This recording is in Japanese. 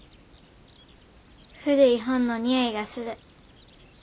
古い本のにおいがする。